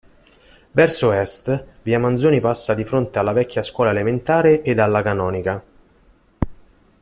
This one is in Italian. Verso est, Via Manzoni passa di fronte all vecchia scuola elementare ed alla canonica.